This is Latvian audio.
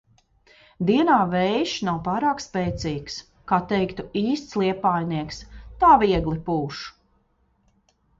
Dienā vējš nav pārāk spēcīgs, kā teiktu īsts liepājnieks – tā viegli pūš.